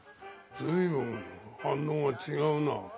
随分反応が違うなあ。